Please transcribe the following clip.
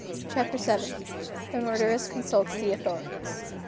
CHAPTER VII. THE MURDERESS CONSULTS THE AUTHORITIES.